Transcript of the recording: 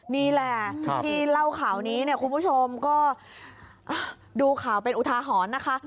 นี่แหละที่เล่าข่าวนี้เนี่ยคุณผู้ชมก็ดูข่าวเป็นอุทาหรณ์นะคะ